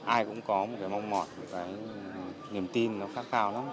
ai cũng có một cái mong mỏi một cái niềm tin nó khát khao lắm